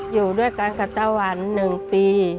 อยู่ด้วยกันกับตะวัน๑ปี